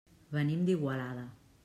Venim d'Igualada.